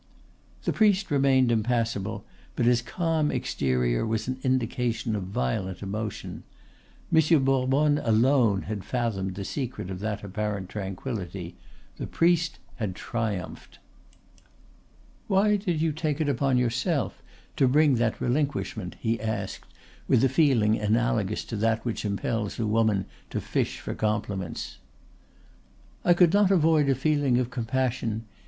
The priest remained impassible, but his calm exterior was an indication of violent emotion. Monsieur Bourbonne alone had fathomed the secret of that apparent tranquillity. The priest had triumphed! "Why did you take upon yourself to bring that relinquishment," he asked, with a feeling analogous to that which impels a woman to fish for compliments. "I could not avoid a feeling of compassion.